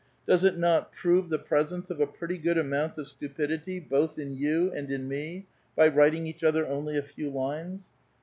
Does it not prove the presence of a pretty good amount of stupidity, both in you and in me, by writing each other only a few lines.